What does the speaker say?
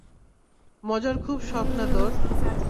মজার খুব শখ না তোর?